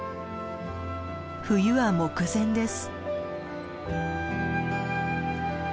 冬は目前です。